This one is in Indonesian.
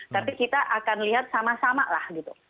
tapi kita akan lihat sama sama lah gitu